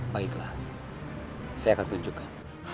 baiklah saya akan tunjukkan